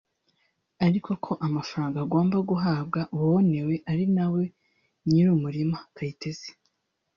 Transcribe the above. ariko ko amafaranga agomba guhabwa uwonewe ari na we nyir’umurima Kayitesi